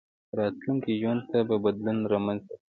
راتلونکي ژوند ته بدلون رامنځته کړئ.